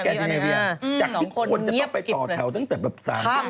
จากที่คนจะต้องไปต่อแถวตั้งแต่แบบ๓คืน